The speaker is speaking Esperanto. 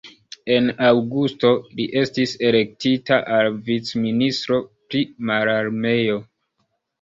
En aŭgusto, li estis elektita al vicministro pri mararmeo.